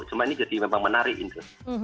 cuma ini jadi memang menarik gitu